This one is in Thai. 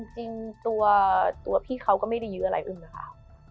จริงตัวพี่เขาก็ไม่ได้ยื้ออะไรอึ้งนะคะ